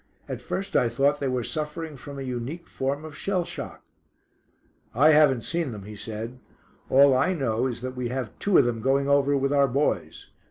At first I thought they were suffering from a unique form of shell shock." "I haven't seen them," he said. "All I know is that we have two of them going over with our boys.